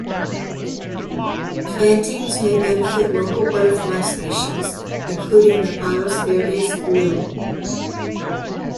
Plantings may benefit local butterfly species including the Palos Verdes blue.